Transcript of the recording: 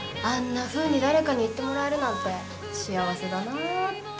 あんなふうに誰かに言ってもらえるなんて幸せだなぁって。